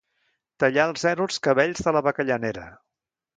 Tallar al zero els cabells de la bacallanera.